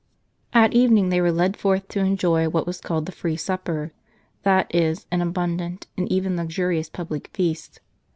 At evening they were led forth to enjoy what was called the free supper, that is, an abundant, and even luxurious, public feast.